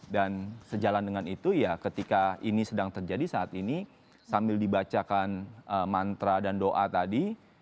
dan sejalan dengan itu ya ketika ini sedang terjadi saat ini sambil dibacakan mantra dan doa tadi